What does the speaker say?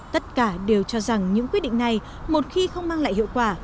tất cả đều cho rằng những quyết định này một khi không mang lại hiệu quả